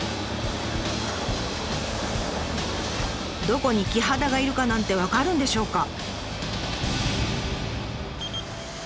どこにキハダがいるかなんて分かるんでしょうか？